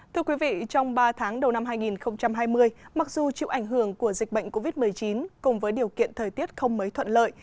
thưa quý vị trong ba tháng đầu năm hai nghìn hai mươi mặc dù chịu ảnh hưởng của dịch bệnh covid một mươi chín cùng với điều kiện thời tiết không mới thuận lợi